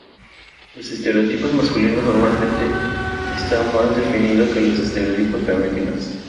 Los estereotipos masculinos normalmente está más definido que los estereotipos femeninos.